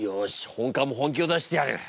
本官も本気を出してやる。